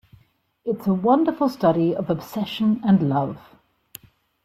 It's a wonderful study of obsession and love.